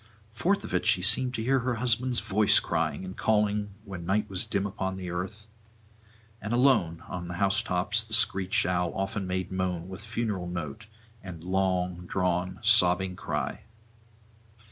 Forth of it she seemed to hear her husband's voice crying and calling when night was dim upon earth, and alone on the house tops the screech owl often made moan with funeral note and long drawn sobbing cry.